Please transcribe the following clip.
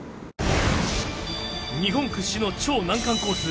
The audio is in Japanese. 日本屈指の超難関コース